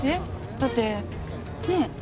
だってねえ。